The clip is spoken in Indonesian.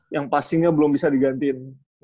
yang passing nya belum bisa digantiin